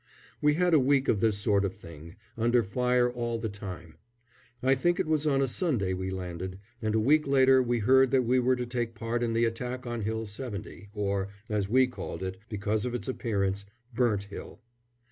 We had a week of this sort of thing, under fire all the time. I think it was on a Sunday we landed, and a week later we heard that we were to take part in the attack on Hill 70, or, as we called it, because of its appearance, Burnt Hill.